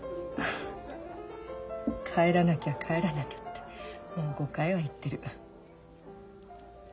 帰らなきゃ帰らなきゃってもう５回は言ってる。